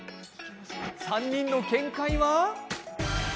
３人の見解は。